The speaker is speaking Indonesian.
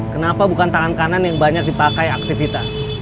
kenapa bukan tangan kanan yang banyak dipakai aktivitas